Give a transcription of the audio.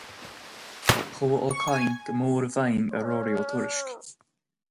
Chuaigh Ó Cadhain go mór i bhfeidhm ar Ruaidhrí Ó Tuairisg.